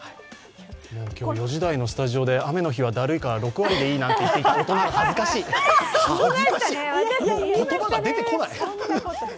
今日、４時台のスタジオで、雨の日は６割でいいなんて言っていた大人が恥ずかしい、言葉が出てこない。